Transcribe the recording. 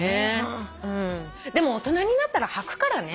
でも大人になったらはくからね。